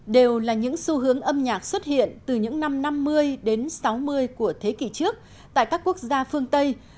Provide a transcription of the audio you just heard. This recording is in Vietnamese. đều là những xu hướng âm nhạc xuất hiện từ những năm năm mươi đến sáu mươi của thế kỷ trước tại các quốc gia phương tây